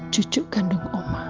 cucu kandung oma